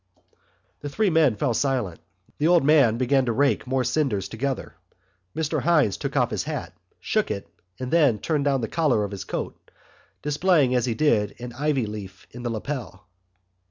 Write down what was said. The three men fell silent. The old man began to rake more cinders together. Mr Hynes took off his hat, shook it and then turned down the collar of his coat, displaying, as he did so, an ivy leaf in the lapel.